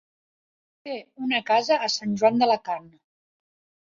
Té una casa a Sant Joan d'Alacant.